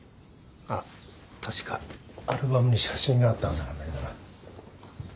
あっ確かアルバムに写真があったはずなんだけどな。